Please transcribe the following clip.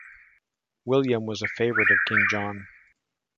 William was a favourite of King John.